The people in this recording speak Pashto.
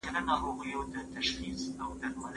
تاسو باید د کابل د تېرې شانداره ماضي په اړه ولولئ.